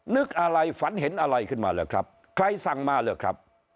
นึกอะไรฝันเห็นอะไรขึ้นมาหรือครับใครสั่งมาเหรอครับ